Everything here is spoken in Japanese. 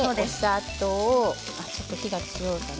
ちょっと火が強いかな。